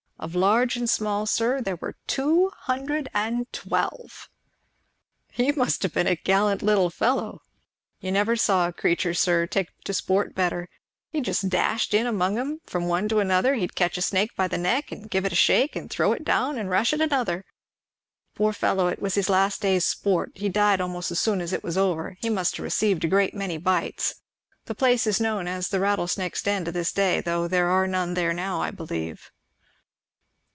of large and small, sir, there were two hundred and twelve." "He must have been a gallant little fellow." "You never saw a creature, sir, take to a sport better; he just dashed in among them, from one to another, he would catch a snake by the neck and give it a shake, and throw it down and rush at another; poor fellow, it was his last day's sport, he died almost as soon as it was over; he must have received a great many bites. The place is known as the rattlesnakes' den to this day, though there are none there now, I believe."